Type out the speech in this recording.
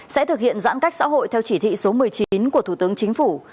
sẽ thực hiện giãn cách xã hội theo chỉ thị số một mươi chín của thủ tướng chính phủ